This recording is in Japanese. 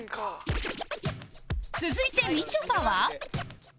続いてみちょぱは